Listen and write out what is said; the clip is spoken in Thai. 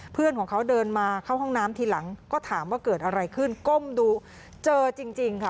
เพื่อนของเขาเดินมาเข้าห้องน้ำทีหลังก็ถามว่าเกิดอะไรขึ้นก้มดูเจอจริงค่ะ